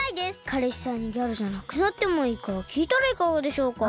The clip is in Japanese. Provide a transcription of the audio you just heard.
かれしさんにギャルじゃなくなってもいいかきいたらいかがでしょうか？